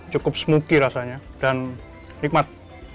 cukup smoothy rasanya dan nikmat